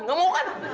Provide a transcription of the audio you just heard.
nggak mau kan